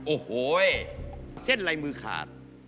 โอ้โหเส้นลายมือขาด